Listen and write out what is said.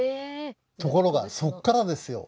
ところがそっからですよ。